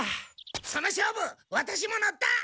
その勝負ワタシも乗った！